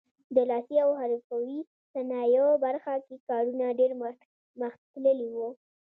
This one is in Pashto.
د لاسي او حرفوي صنایعو برخه کې کارونه ډېر پرمختللي وو.